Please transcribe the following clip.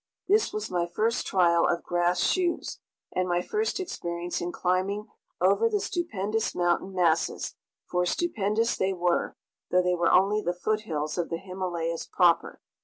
This was my first trial of grass shoes, and my first experience in climbing over the stupendous mountain masses; for stupendous they were, though they were only the foothills of the Himalayas proper.